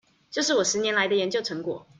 這是我十年來的研究成果